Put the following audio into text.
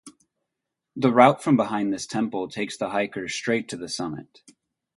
The route from behind this temple takes the hiker straight to the summit.